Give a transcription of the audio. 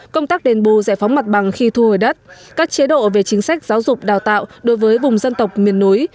công tác đền bù giải phóng mặt bằng khi thu hồi đất các chế độ về chính sách giáo dục đào tạo đối với vùng dân tộc miền núi